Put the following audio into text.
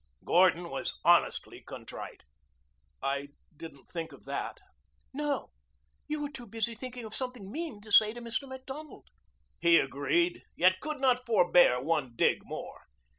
Gordon was honestly contrite. "I didn't think of that." "No, you were too busy thinking of something mean to say to Mr. Macdonald." He agreed, yet could not forbear one dig more.